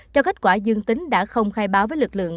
cho kết quả dương tính đã không khai báo với lực lượng